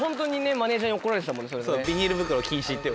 マネジャーに怒られてたもんねそれね。